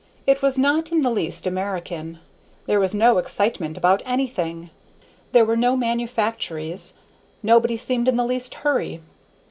It was not in the least American. There was no excitement about anything; there were no manufactories; nobody seemed in the least hurry.